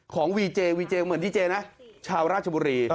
ของวีเจชาวราชบุรี